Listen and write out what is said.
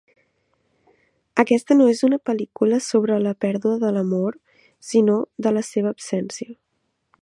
Aquesta no és una pel·lícula sobre la pèrdua de l'amor, sinó de la seva absència.